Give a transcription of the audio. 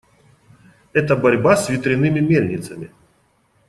Это борьба с ветряными мельницами.